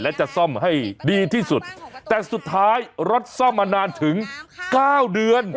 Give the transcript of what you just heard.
และจะซ่อมให้ดีที่สุดแต่สุดท้ายรถซ่อมมานานถึงเก้าเดือน